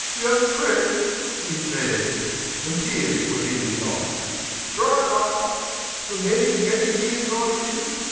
"Young friend," 'e sez an' tears wus in 'is eyes "Strive 'ard. Fer many, many years I've lived.